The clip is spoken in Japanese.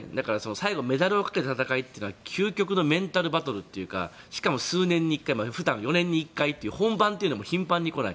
最後にメダルをかけた戦いというのは究極のメンタルバトルというかしかも数年に１回普段、４年に一回という本番も頻繁に来ない。